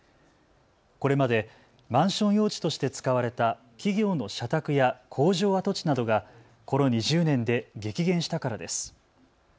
これまでマンション用地として使われた企業の社宅や工場跡地などがこの２０年で激減したからです。